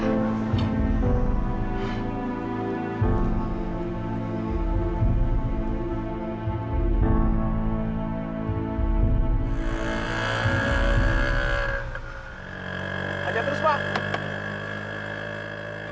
ajak terus wak